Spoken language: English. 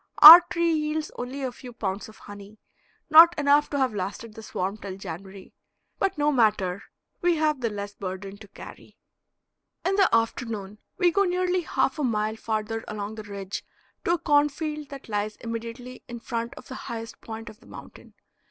Our tree yields only a few pounds of honey, not enough to have lasted the swarm till January, but no matter; we have the less burden to carry. In the afternoon we go nearly half a mile farther along the ridge to a cornfield that lies immediately in front of the highest point of the mountain.